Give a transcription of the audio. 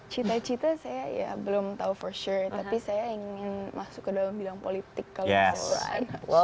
cita cita saya ya belum tau for sure tapi saya ingin masuk ke dalam bidang politik kalau bisa